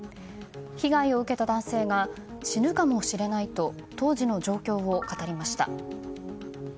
被害を受けた男性が死ぬかもしれないと当時の状況を語りました。